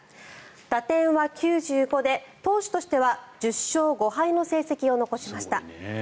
打点は９５で、投手としては１０勝５敗の成績を残しました。